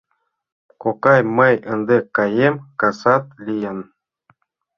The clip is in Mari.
Кокай, мый ынде каем, касат лийын.